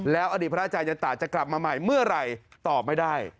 แล้วอดีตพระอาจารยันตะจะกลับมาใหม่เมื่อไหร่ตอบไม่ได้